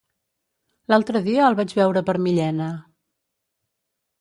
L'altre dia el vaig veure per Millena.